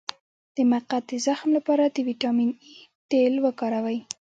د مقعد د زخم لپاره د ویټامین اي تېل وکاروئ